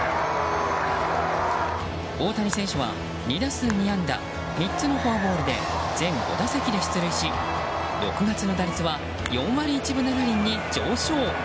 大谷選手は２打数２安打３つのフォアボールで全５打席で出塁し、６月の打率は６月の打率は４割１分７厘に上昇。